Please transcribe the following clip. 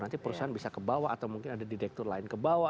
nanti perusahaan bisa kebawa atau mungkin ada direktur lain kebawa